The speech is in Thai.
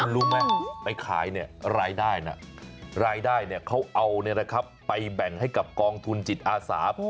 รู้ไหมไปขายเนี่ยรายได้นะรายได้เขาเอาไปแบ่งให้กับกองทุนจิตอาสา